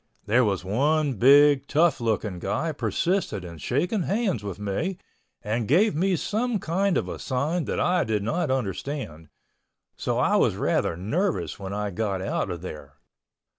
There was one big tough looking guy persisted in shaking hands with me and gave me some kind of a sign that I did not understand, so I was rather nervous when I got out of there.